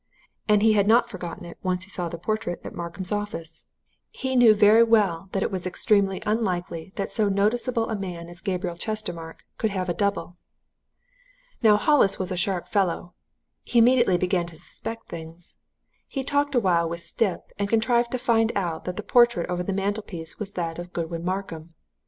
And he had not forgotten it once he saw the portrait at Markham's office he knew very well that it was extremely unlikely that so noticeable a man as Gabriel Chestermarke could have a double. "Now, Hollis was a sharp fellow. He immediately began to suspect things. He talked awhile with Stipp, and contrived to find out that the portrait over the mantelpiece was that of Godwin Markham.